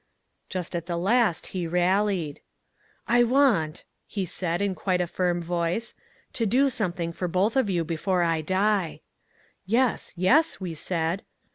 "Just at the last he rallied. "'I want,' he said in quite a firm voice, 'to do something for both of you before I die.' "'Yes, yes,' we said.